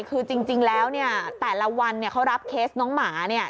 คือจริงแล้ว๘ละวันเขารับเคสน้องหมา